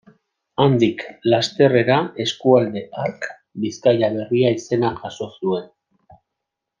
Handik lasterrera eskualde hark Bizkaia Berria izena jaso zuen.